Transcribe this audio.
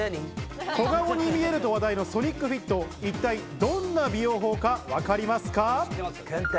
小顔に見えると話題のソニックフィット、一体どんな美容法かわかりますか？